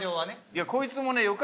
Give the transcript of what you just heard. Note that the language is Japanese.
いやこいつもねよ